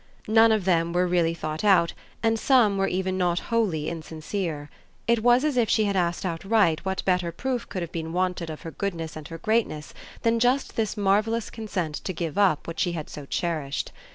None of them were really thought out and some were even not wholly insincere. It was as if she had asked outright what better proof could have been wanted of her goodness and her greatness than just this marvellous consent to give up what she had so cherished.